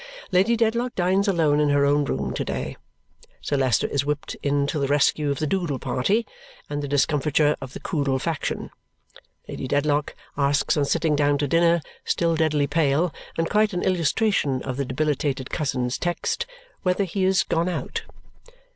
Lady Dedlock dines alone in her own room to day. Sir Leicester is whipped in to the rescue of the Doodle Party and the discomfiture of the Coodle Faction. Lady Dedlock asks on sitting down to dinner, still deadly pale (and quite an illustration of the debilitated cousin's text), whether he is gone out?